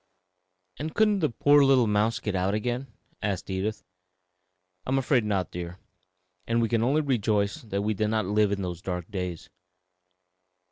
"And couldn't the poor little mouse get out again?" asked Edith. "I am afraid not, dear; and we can only rejoice that we did not live in those dark days.